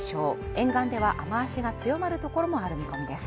沿岸では雨脚が強まるところもある見込みです。